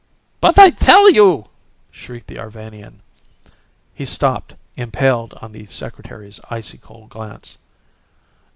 "But I tell you " shrieked the Arvanian. He stopped, impaled on the Secretary's icy cold glance.